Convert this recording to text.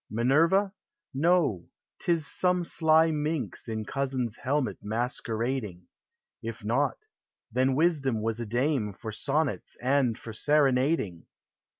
Minerva ? No ! 't is some sly minx In cousin's helmet masquerading ; If not — then Wisdom was a dame For sonnets and for serenading